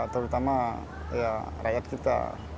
terutama rakyat kita